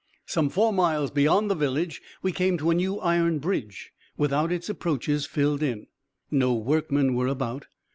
Some four miles beyond the village we came to a new iron bridge, without its approaches filled in. No workmen were about.